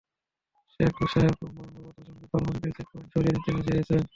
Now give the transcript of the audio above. শেখ সাহেব মহানুভবতার সঙ্গে ফার্মগেটের চেক পয়েন্ট সরিয়ে নিতে রাজি হয়েছেন।